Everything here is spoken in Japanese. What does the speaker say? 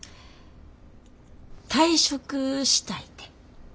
退職したいて。